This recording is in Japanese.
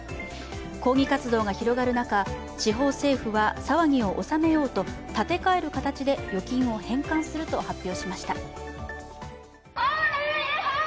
抗議活動が広がる中、地方政府は騒ぎを抑えようと立て替える形で預金を返還すると発表しました。